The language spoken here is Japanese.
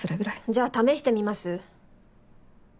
じゃあ試してみます？